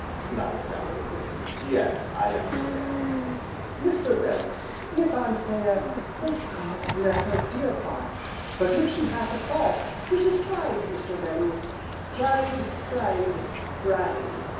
nodded Bellew, "yes, I understand." "Mr. Bellew, if Anthea, God bless her dear heart! but if she has a fault it is pride, Mr. Bellew, Pride! Pride! Pride!